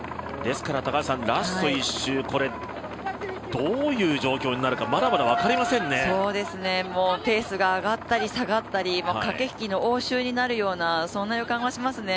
ラスト１周どういう状況になるかペースが上がったり下がったり駆け引きの応酬になるようなそんな予感はしますね。